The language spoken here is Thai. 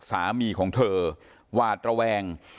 สามีของเธอหวาดระแวง